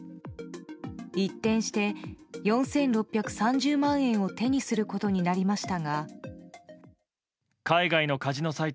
一転して４６３０万円を手にすることになりましたが。